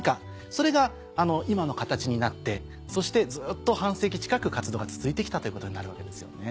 それが今の形になってそしてずっと半世紀近く活動が続いて来たということになるわけですよね。